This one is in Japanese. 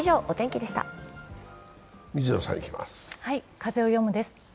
「風をよむ」です。